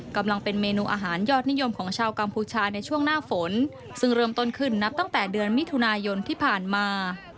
กำลังเป็นเมนูอาหารยอดนิยมของชาวกัมพูชาในช่วงหน้าฝนซึ่งเริ่มต้นขึ้นนับตั้งแต่เดือนมิถุนายนที่ผ่านมา